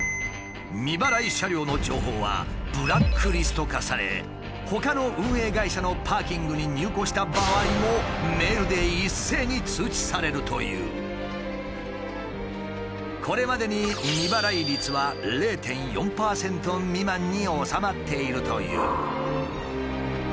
未払い車両の情報はブラックリスト化されほかの運営会社のパーキングに入庫した場合もこれまでに未払い率は０．４％未満に収まっているという。